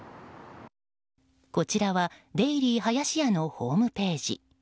こちらは、デイリーはやしやのホームページ。